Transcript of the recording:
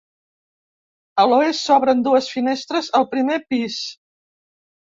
A l'oest s'obren dues finestres al primer pis.